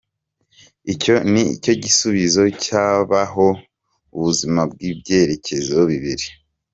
Icyo ni cyo gisubizo cy’ababaho ubuzima bw’ibyerekezo bibiri.